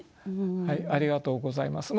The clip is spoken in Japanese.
ありがとうございます。